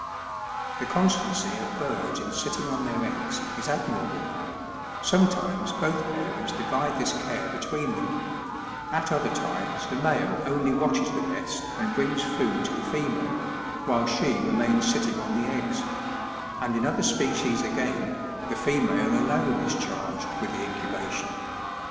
10. The constancy of birds in sitting on their eggs is admira ble : sometimes both parents divide this care between them ; at other times the male only watches the nest and brings food to the female, while she remains sitting on the eggs ; and in other species again, the female alone is charged with the incubation.